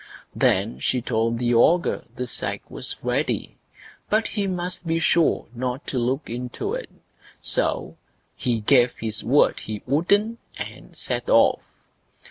Then she told the ogre the sack was ready, but he must be sure not to look into it. So he gave his word he wouldn't, and set off.